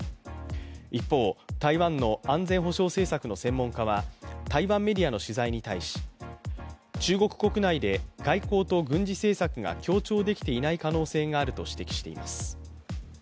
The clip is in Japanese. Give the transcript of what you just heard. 一方、台湾の安全保障政策の専門家は台湾メディアの取材に対し、中国国内で外交と軍事政策が協調できていない可能性があると指摘しています。